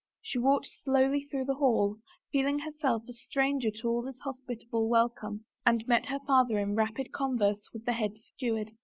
She walked slowly through the hall, feeling herself a stranger to all this hospitable welcome, and met her father in rapid converse with the head steward.